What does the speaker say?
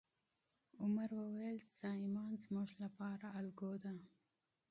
عمر وویل چې ستا ایمان زموږ لپاره الګو ده.